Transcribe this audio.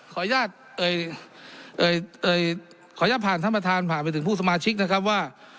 ขออนุญาตเอ่ยขออนุญาตผ่านท่านประธานผ่านไปถึงผู้สมาชิกนะครับว่า